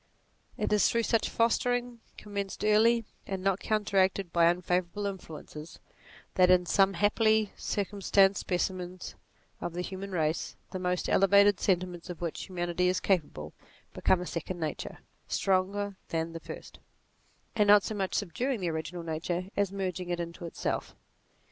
It is through such fostering, commenced early, and not counteracted by unfavourable influences, that, in some happily circumstanced specimens of the human race, the most elevated sentiments of which humanity is capable become a second nature, stronger than the first, and not so much subduing the original nature as merging it into itself.